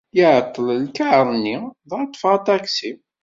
Iεeṭṭel lkaṛ-nni, dɣa ṭṭfeɣ aṭaksi.